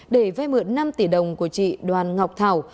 để vay mượn năm tỷ đồng của chị đoàn ngọc thảo